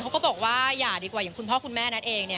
เขาก็บอกว่าอย่าดีกว่าอย่างคุณพ่อคุณแม่นัทเอง